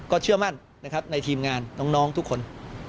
เชื่อมั่นนะครับในทีมงานน้องทุกคน